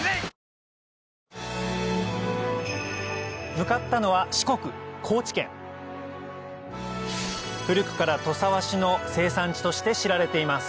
向かったのは四国古くから土佐和紙の生産地として知られています